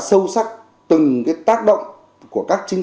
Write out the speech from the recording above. sâu sắc từng cái tác động của các chính